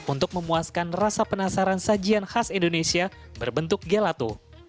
untuk memuaskan rasa penasaran sajian khas indonesia berbentuk gelato